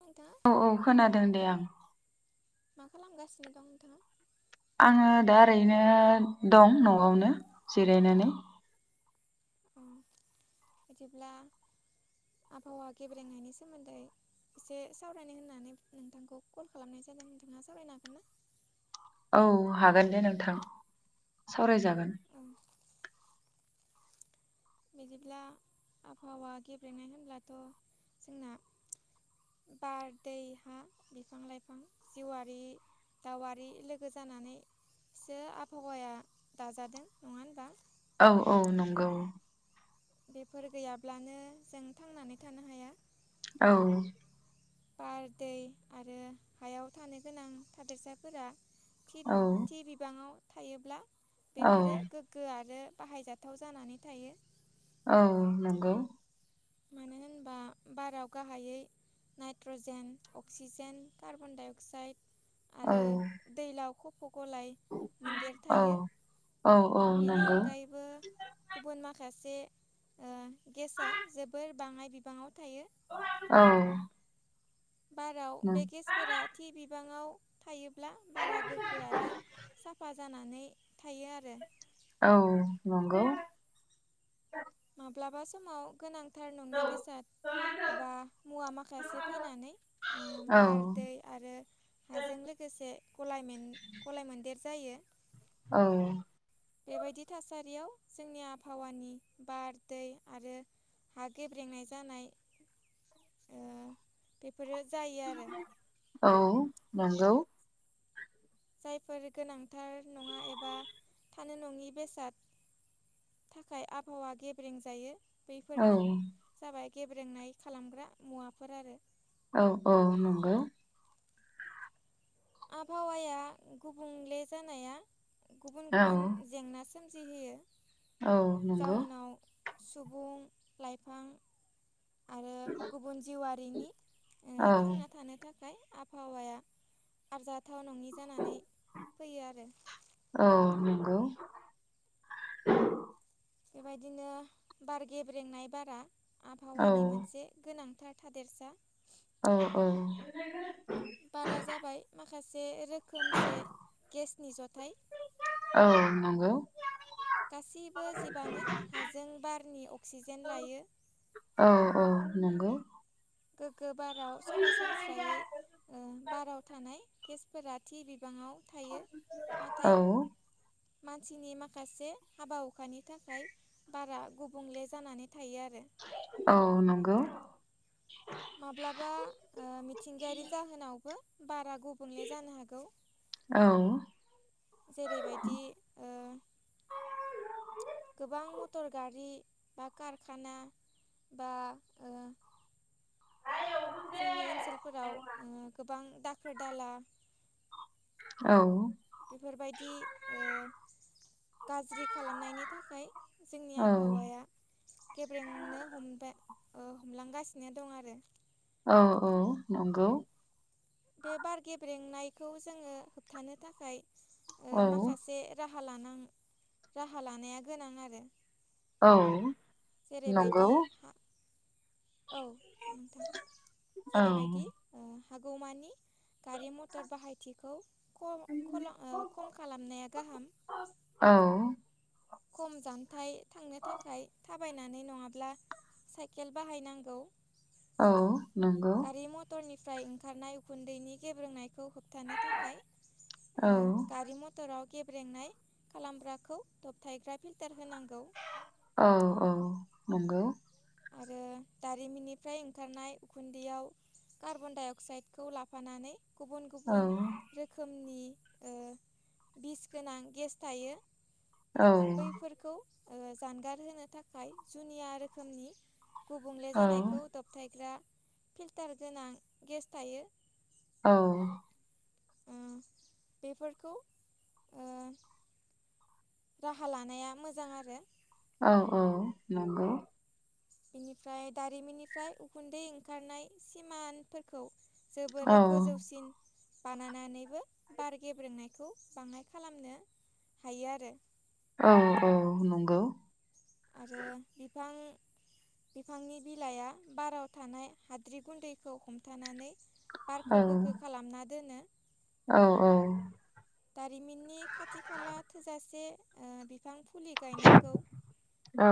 नोंथाङा औ औ खोनादों दे आं। मा खालामगासिनो दं नोंथाङा? आङो दा ओरैनो दं न'आवनो जिरायनानै। अ [unintelligible] बिदिब्ला आबहावा गेब्रेंनायनि सोमोन्दै एसे सावरायनो होननानै नोंथांखौ कल खालामनाय जादों नोंथाङा सावरायनो हागोन ना? औ हागोन दे नोंथां सावरायजागोन। औ बिदिब्ला आबहावा गेब्रेंनाय होनब्लाथ' जोंना बार, दै, हा बिफां -लाइफां जिउआरि [unintelligible] लोगो जानानैसो आबहावाया दाजादों नङा होनबा? औ औ नंगौ। बेफोर गैयाब्लानो जों थांनानै थानो हाया। औ। बार, दै आरो हायाव थानो गोनां थादेरसाफोरा औ थि-थि बिबाङाव थायोब्ला औ बेफोरो गोग्गो आरो बाहायजाथाव जानानै थायो। औ नंगौ। मानो होनबा बाराव गाहायै nitrogen, oxygen, carbon dioxide औ आरो दैलाव खफ' गलाय मोनदेर औ थायो। औ औ बेनि नंगौ अनगायैबो गुबुन माखासे [unintelligible] गेस आ जोबोर बाङाय बिबाङाव थायो। औ। बाराव बे गेसफोरा थि बिबाङाव थायोब्ला बारा गोग्गो आरो साफा जानानै थायो आरो। औ नंगौ। माब्लाबा समाव गोनांथार नङि बेसाद एबा मुवा माखासे फैनानै औ बार, दै आरो हाजों लोगोसे गलायमोन- गलायमोन्देर जायो। औ। बेबायदि थासारियाव जोंनि आबहावानि बार, दै आरो हा गेब्रेंनाय जानाय ओ [unintelligible] बेफोरो जायो आरो। नोंगौ। जायफोर गोनांथार नङा एबा थानो नङि बेसाद थाखाय आबहावा गेब्रें जायो। औ बेफोरनो जाबाय गेब्रेंनाय खालामग्रा मुवाफोर आरो। औ औ नंगौ। आबहावाया गुबुंले जानाया गुबुन- औ गुबुन जेंनासो सोमजि हैयो। औ नंगौ। सुबुं, लाइफां आरो गुबुन जिउआरिनि ओ औ थांना थानो थाखाय। आबहावाया आरजाथाव नोंङि जानानै फैयो आरो। औ [unintelligible] बेबायदिनो बार गेब्रेंनाय बारा औ आबहावानि मोनसे गोनां थादेरसा। औ औ। बारा जाबाय माखासे रोखोमसे गेसनि जथाय नोंगौ गासैबो जिबानो हाजों बारनि अक्सिजेन लायो औ औ नं गो बाराव सरासनस्रायै ओ बाराव थानाय केसफोरा थि बि औ मानसिनि माखासे हाबा हुखानि थाखाय बारा गुबुंले जानानै थायो आरो। औ नंगौ माब्लाबा ओ मिथिंगायारि जाहोनावबो बारा गुबुंले जानो हागौ औ जेरैबायदि ओ गोबां मथ- मटर गारि बा कारखाना बा ओ जोंनि ओनसोलफोराव ओ गोबां दाखोर दाला औ बेफोरबायदि ओ गाज्रि खालामनायनि थाखाय जोंनि औ आबहावाया गेब्रेंनो हमबाय ओ हमलांगासिनो दं आरो औ औ नंगौ बे बार गेब्रेंनायखौ जोङो होबथानो थाखाय ओ औ माखासे राहा हालानां राहा लानाया गोनां आरो औ नंगौ जेरैबायदि हा औ नोंथां। औ जेरैबायदि ओ हागौ मानि गारि मथर बाहायथिखौ खम खलम खम खालामनाया गाहाम। औ खम जान्थायाइ थांनो थाखाय थाबायनानै नङाब्ला साइकेल बाहायनांगौ औ नंगौ फ्राय ओंखारनाय उखुन्दैनि गेब्रोंनाय खौ होबथानो थाखाय औ ओ गारि मथराव गेब्रेंनाय खालामग्राखौ दबथायग्रा फिल्टार होनांगौ- औ औ नंगौ आरो दारिमिननिफ्राय ओंखारनाय उखुन्दैयाव कार्बन-डाइ अक्साइडखौ लाफानानै गुबुन औ गुबुन रोखोमनि ओ बिस गोनां गेस थायो बैफोरखौ ओ जानगार होनो थाखाय जुनिया रोखोमनि गुबुंले औ जानायखौ दबथायग्रा फिल्टार गोनां गेस थायो औ ओ बेफोरखौ ओ राहा लानाया मोजां आरो औ औ नंगौ बेनिफ्राय दारिमिननिफ्राय उखुन्दै ओंखारनाय सिमानफोरखौ औ जोबोरै गोजौसिन बानायनानैबो बार गेब्रेंनायखौ बाङाय खालामनो हायो आरो औ औ नंगौ आरो बिफां बिफांनि बिलाइआ बाराव थानाय हाद्रि गुन्दैखौ हमथानानै औ बारखौ गोग्गो खालामना दोनो औ औ दारिमिननि खाथि खाला थोजासे ओ बिफां फुलि गायनांगौ औ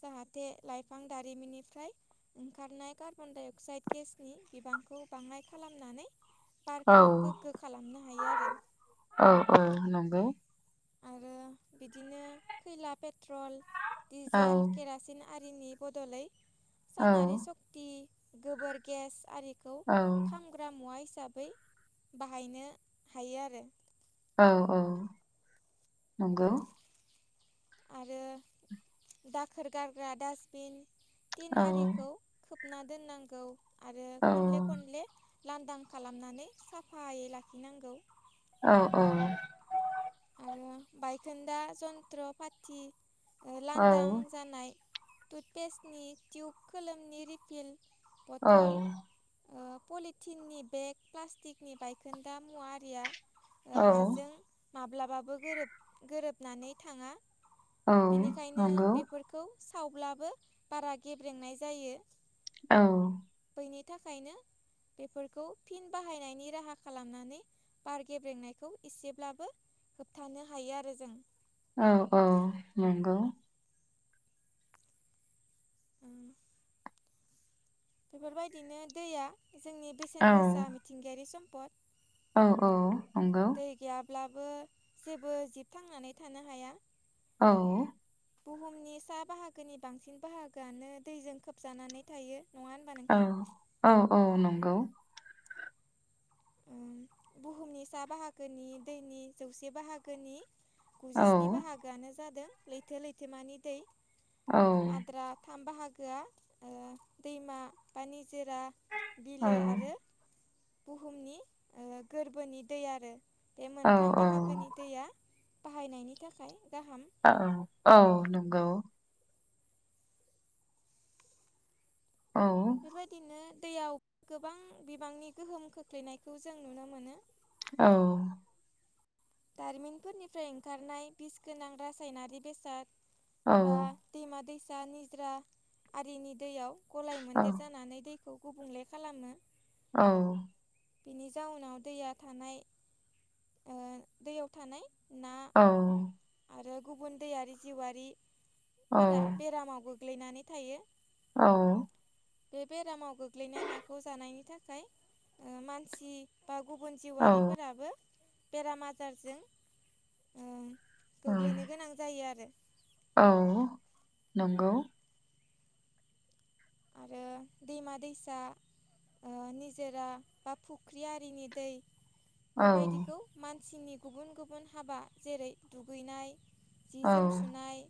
जाहाथे लाइफां दारिमिननिफ्राय ओंखारनाय कार्बन डाइ अक्साइड गेसनि बिबां खौ बाङाय खालामनानै औ बारखौ गोग्गो खालामनो हायो आरो औ औ नंगौ आरो बिदिनो खैला पेट्रल दिडिजेल केरासिन आरिनि बदलै सनारि औ सशक्ति गोबोर गेस आरि खौ औ खामग्रा मुवा हिसाबै बाहायनो हायो आरो औ औ नंगौ आरो दाखोर गारग्रा डासटबिन तिन औ आरिखौ खोब ना दोननांगौ आरो औ खनले खनले लांदां खालामनानै साफायै लाखिनांगौ। औ औ। आरो बायखोन्दा जन्थ्र पाथि औ लांदां जानाय टुथपेस्टनि टिुब खोलोमनि रिपिल औ पथल पलिटिननि बेग प्लास्टिकनि बायखोन्दा मुवारिया औ हाजों माब्लाबाबो गोर गोरोबनानै थाङा। औ बेनिखायनो नंगौ बेफोरखौ। सावब्लाबो बारा गेब्रेंनाय जायो। औ। बेनि थाखायनो बेफोरखौ फिन बाहायनायनि राहा खालामनानै बार गेब्रेंनायखौ एसेब्लाबो होबथानो हायो आरो जों। औ औ नंगौ बेफोरबायदिनो दैया जोंनि औ बेसेन गोसा मिथिंगायारि सम्पद। औ औ नंगौ। ब्लाबो जेबो जिबथांनानै थानो हाया। औ। बुहुमनि सा बाहागोनि बांसिन बाहागोआनो दैजों खोबजानानै थायो। नङा होनबा नोंथां औ औ औ नंगौ। बुहुमनि सा बाहागोनि दैनि जौसे बाहागोनि। औ गुजिस्नि बाहागोआनो जादों लैथो लैथोमानि दै। औ आद्रा थाम बाहागोआ ओ दैमा बानि निज जेरा बिलो आरो बुहुमनि ओ गोरबोनि दै आरो। बे औ मोनथाम बाहागोनि दैया बाहायनायनि थाखाय। गाहाम औ औ नंगौ। औ बेबायदिनो दैयाव गोबां बिबांनि गोहोम खोख्लैनायखौ जों नुनो मोनो। औ। दारिमिनफोरनिफ्राय ओंखारनाय बिस गोनां रासायनारि बेसाद। औ बा दैमा-दैसा निज्रा आरिनि दैयाव गलाय मोन्देर जानानै दैखौ गुबुंले खालामो। औ। बेनि जाउनाव दैया थानाय ओ दैयाव थानाय ना औ। आरो गुबुन दैयारि जिउआरिफोरा बेरामाव गोग्लैनानै थायो। औ। बे बेरामाव गोग्लैनाय नाखौ जानायनि थाखाय ओ मानसि बा गुबुन औ जिउआरिफोराबो बेराम आजारजों ओ औ गोग्लैनो गोनां जायो आरो औ नंगौ। आरो दैमा दैसा ओ निजोरा बा फुख्रि आरिनि दै औ बेबायदिखौ मानसिनि गुबुन गुबुन हाबा जेरै दुगैनाय जि जोम औ सुनाय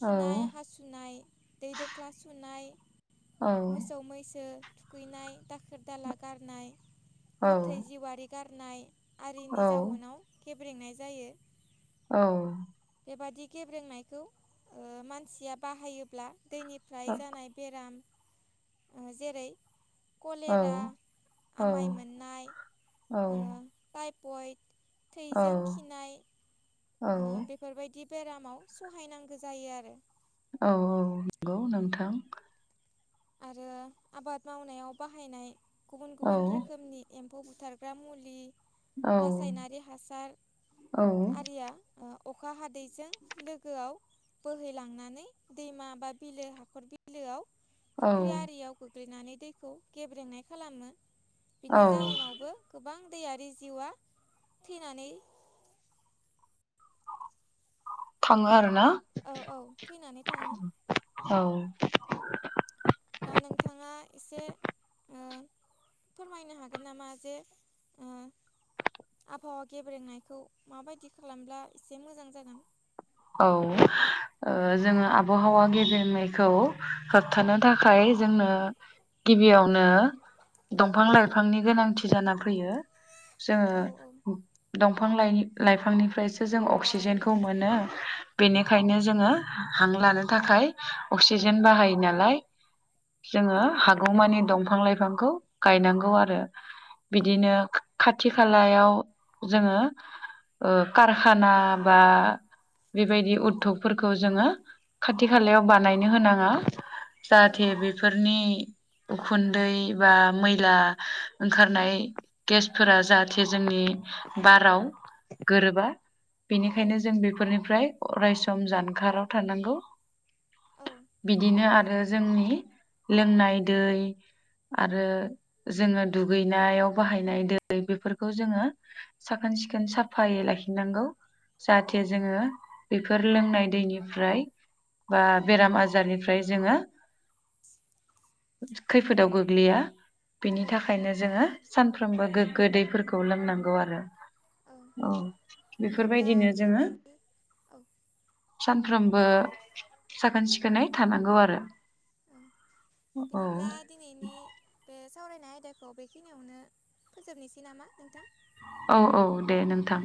औ खिनाय हासुनाय दै दोख्ला सुनाय औ मोसौ मैसो थुखैनाय दाखोर दाला गारनाय औ गोथै जिउआरि गारनाय आरिनि जाउनाव गेब्रेंनाय जायो। औ। बेबादि गेब्रेंनायखौ ओ मानसिया बाहायोब्ला दैनिफ्राय जानाय बेराम ओ जेरै औ कलेरा, आमाय मोननाय औ ओ टाइपइड थैजों खिनाय औ। बिदि बेरामाव सहायनांगो जायो आरो औ औ नंगौ नोंथां। आरो आबाद मावनायाव बाहायनाय गुबुन औ गुबुन रोखोमनि एम्फौ बुथारग्रा मुलि औ रासायनारि हासार औ आरिया [inaudible] अखा हादैजों लोगोआव बोहैलांनानै दैमा बा बिलो हाखर बिलोआव औ फुख्रि आरियाव गोग्लैनानै दैखौ गेब्रेंनाय खालामो। औ बिनि जाउनावबो गोबां दैयारि जिउआ थैनानै थाङो आरो ना? औ औ थैनानै थाङो औ। दा नोंथाङा एसे ओ फोरमायनो हागोन नामा जे ओ आबहावा गेब्रेंनायखौ माबायदि खालामब्ला एसे मोजां जागोन। औ। जोङो आबहावा गेब्रेंनायखौ होबथानो थाखाय जोंनो गिबियावनो दंफां लाइफांनि गोनांथि जाना फैयो। औ औ जोङो दंफां लाइ-लाइफांनिफ्रायसो जों अक्सिजेनखौ मोनो। बेनिखायनो जोङो हां लानो थाखाय अक्सिजेन बाहायो नालाय जोङो औ हागौमानि दंफां लाइफांखौ गायनांगौ आरो औ बिदिनो खाथि खालायाव जोङो ओ कारखाना औ बा बेबायदि उद्धबफोरखौ जोङो खाथि खालायाव बानायनो होनाङा। जाहाथे औ बेफोरनि उखुन्दै बा मैला ओंखारनाय गेसफोरा जाहाथे जोंनि बाराव गोरोबा बेनिखायनो जों बेफोरनिफ्राय अरायसम जानखाराव थानांगौ। औ बिदिनो आरो जोंनि लोंनाय दै। आरो जोङो दुगैनायाव बाहायनाय दै बेफोरखौ जोङो साखोन साखोन सिखोन साफायै लाखिनांगौ जाहाथे औ जोङो। बेफोर लोंनाय दैनिफ्राय बा बेराम आजारनिफ्राय जोङो। खैफोदाव गोग्लैया बेनि औ थाखायनो जोङो। सानफ्रोमबो गोगो दैैफोरखौ लोंनांगौ आरो। औ बेफोर बिदिब्ला बायदिनो जोङो। दिनैनि औ सानफ्रोमबो साखोन सिखोनै थानांगौ आरो। औ बिदिब्ला दिनैनि बे सावरायनाया। आइदाखौ बेखिनियावनो फोजोबनोसै नामा नोंथां औ औ दे नोंथां।